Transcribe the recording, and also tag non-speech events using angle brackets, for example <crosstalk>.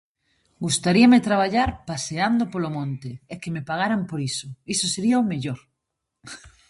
Gustaríame traballar paseando polo monte e que me pagaran por iso, iso sería o mellor. <laughs>